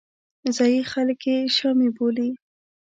ځایي خلک یې شامي بولي.